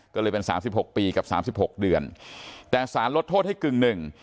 ก็เลยเป็น๓๖ปีกับ๓๖เดือนแต่ศาลลดโทษให้กึ่งหนึ่ง